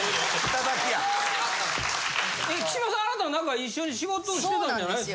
頂きや・え木嶋さんあなた一緒に仕事してたんじゃないんですか？